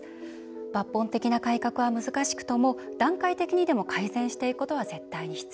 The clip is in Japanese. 抜本的な改革は難しくとも段階的にでも改善していくことは絶対に必要。